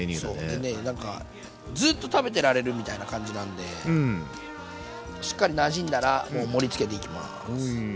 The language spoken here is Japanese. でねなんかずっと食べてられるみたいな感じなんでしっかりなじんだらもう盛りつけていきます。